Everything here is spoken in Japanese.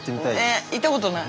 えっ行ったことない？